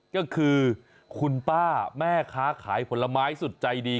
ก็คือคุณป้าแม่ค้าขายผลไม้สุดใจดี